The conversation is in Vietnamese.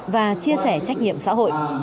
và chia sẻ trách nhiệm xã hội